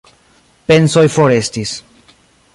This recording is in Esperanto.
Pensoj forestis.